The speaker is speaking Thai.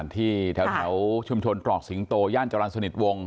ที่แถวชุมชนตรอกสิงโตย่านจรรย์สนิทวง